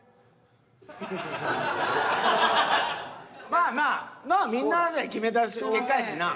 まあまあまあみんなで決めた結果やしな。